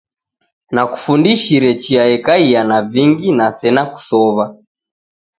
Nakufundishire chia ekaia na vingi na sena kusow'a